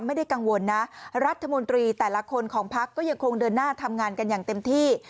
ไม่ได้กังวลนะรัฐมนตรีแต่ละคนของพักก็ยังคงเดินหน้าทำงานกันอย่างเต็มที่